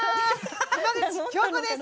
浜口京子です。